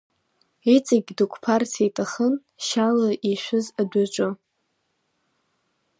Иҵегь дықәԥарц иҭахын, шьала ишәыз адәаҿы.